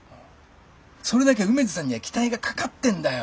それだけ梅津さんには期待がかかってんだよ。